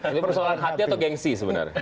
ini persoalan hati atau gengsi sebenarnya